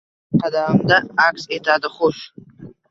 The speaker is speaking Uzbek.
Qadahimda aks etadi xush